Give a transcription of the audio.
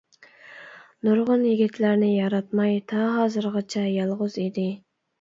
نۇرغۇن يىگىتلەرنى ياراتماي تا ھازىرغىچە يالغۇز ئىدى.